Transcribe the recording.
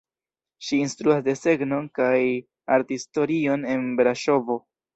Ŝi instruas desegnon kaj arthistorion en Braŝovo.